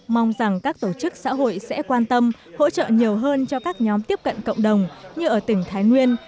mong rằng các tổ chức xã hội sẽ quan tâm hỗ trợ nhiều hơn cho các nhóm tiếp cận cộng đồng như ở tỉnh thái nguyên